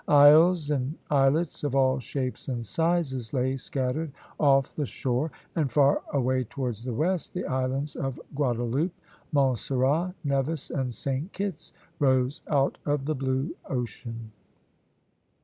Isles and islets of all shapes and sizes lay scattered off the shore, and far away towards the west the islands of Guadaloupe, Montserrat, Nevis, and Saint Kitt's, rose out of the blue ocean.